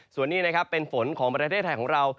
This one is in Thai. ส่วนนี้นะครับเป็นฝนของประเทศไทยของเรา